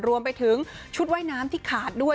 รวมไปถึงชุดว่ายน้ำที่ขาดด้วย